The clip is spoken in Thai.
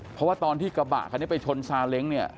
เพราะว่าตอนที่กระบะคันนี้ไปชนซาเล้งเนี่ย